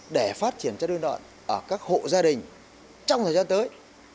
để phát triển chăn nuôi lợn ở các hộ gia đình trong thời gian tới